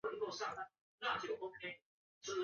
大白藤为棕榈科省藤属下的一个种。